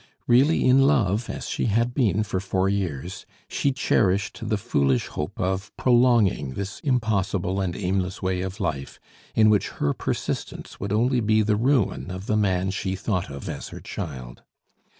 Really in love as she had been for four years, she cherished the foolish hope of prolonging this impossible and aimless way of life in which her persistence would only be the ruin of the man she thought of as her child.